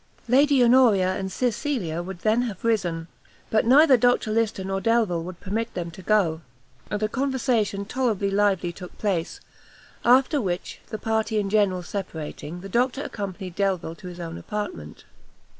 Lady Honoria and Cecilia would then have risen, but neither Dr Lyster nor Delvile would permit them to go; and a conversation tolerably lively took place, after which, the party in general separating, the doctor accompanied Delvile to his own apartment.